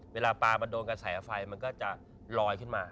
เวลาปลามันโดนกระแสไฟมันก็จะลอยขึ้นมา